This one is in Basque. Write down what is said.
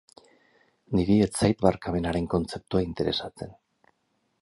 Niri ez zait barkamenaren kontzeptua interesatzen.